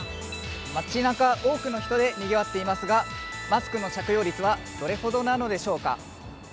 街なか、多くの人でにぎわっていますがマスクの着用率はどれほどなのでしょうか。